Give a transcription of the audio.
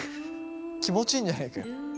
気持ちいいんじゃねえかよ。